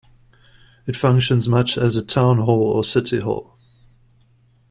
It functions much as a town hall or city hall.